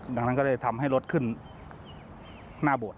ดังนั้นก็เลยทำให้รถขึ้นหน้าโบสถ